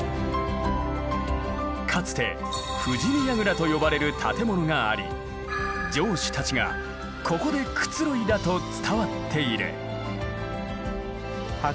かつて富士見櫓と呼ばれる建物があり城主たちがここでくつろいだと伝わっている。